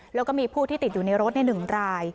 แล้วก็มีผู้ที่ติดอยู่ในรถ๑ราย